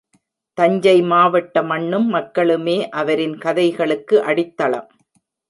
தஞ்சை மாவட்ட மண்ணும் மக்களுமே அவரின் கதைகளுக்கு அடித்தளம்.